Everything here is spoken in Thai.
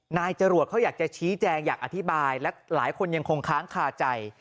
นายจรวดเขาอยากจะชี้แจงอยากอธิบายและหลายคนยังคงค้างคาใจ